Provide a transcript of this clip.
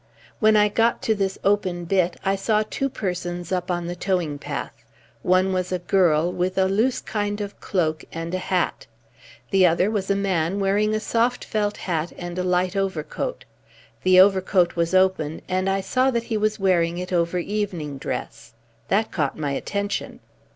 When I got to this open bit I saw two persons up on the towing path. One was a girl with a loose kind of cloak and a hat. The other was a man wearing a soft felt hat and a light overcoat. The overcoat was open and I saw that he was wearing it over evening dress. That caught my attention.